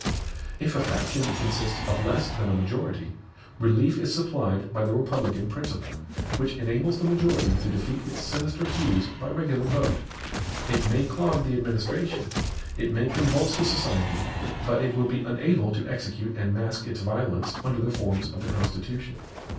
If a faction consists of less than a majority, relief is supplied by the republican principle, which enables the majority to defeat its sinister views by regular vote. It may clog the administration, it may convulse the society; but it will be unable to execute and mask its violence under the forms of the Constitution.